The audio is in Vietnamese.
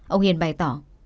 ông hiền bày tỏ